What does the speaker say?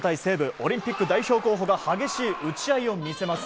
オリンピック代表候補が激しい打ち合いを見せます。